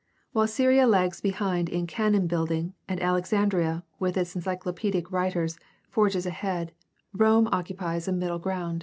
While Syria lags behind in canon building and Alexandria, with its encyclopedic writers, forges ahead, Rome occupies a middle ground.